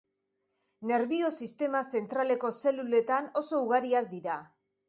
Nerbio-sistema zentraleko zeluletan oso ugariak dira.